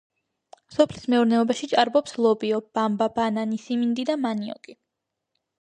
სოფლის მეურნეობაში ჭარბობს ლობიო, ბამბა, ბანანი, სიმინდი და მანიოკი.